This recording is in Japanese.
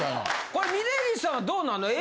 これ峯岸さんはどうなの？